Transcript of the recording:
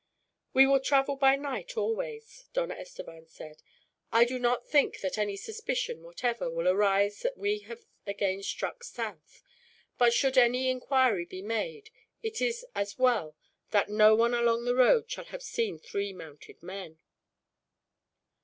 "We will travel by night, always," Don Estevan said. "I do not think that any suspicion, whatever, will arise that we have again struck south; but should any inquiry be made, it is as well that no one along the road shall have seen three mounted men."